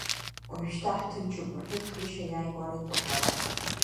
Ожәшьҭа ҳҭынчуп, — рҳәеит Грышьа иааигәара итәақәаз.